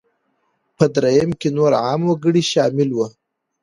په درېیم کې نور عام وګړي شامل وو.